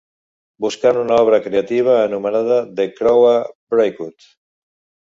Buscant una obra creativa anomenada The Cowra Breakout